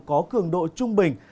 có cường độ trung bình